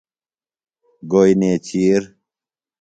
گوئیۡ نیچِیر